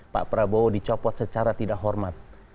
pak prabowo dicopot secara tidak hormat